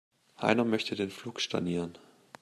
Heiner möchte den Flug stornieren.